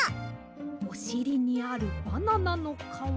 おしりにあるバナナのかわ。